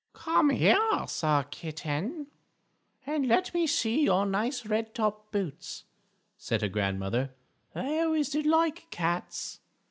"Come here, Sir Kitten, and let me see your nice red top boots," said her Grandmother. "I always did like cats."